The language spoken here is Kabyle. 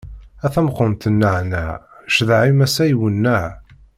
A tameqqunt n nneɛneɛ, ccḍeḥ-im ass-a iwenneɛ.